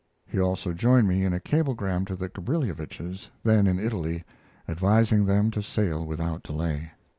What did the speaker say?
He also joined me in a cablegram to the Gabrilowitsches, then in Italy, advising them to sail without delay.